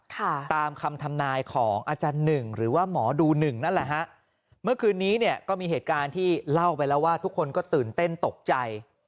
ค่ะตามคำทำนายของอาจารย์หนึ่งหรือว่าหมอดูหนึ่งนั่นแหละฮะเมื่อคืนนี้เนี่ยก็มีเหตุการณ์ที่เล่าไปแล้วว่าทุกคนก็ตื่นเต้นตกใจ